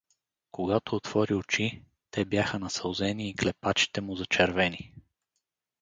Когато отвори очи — те бяха насълзени и клепачите му зачервени.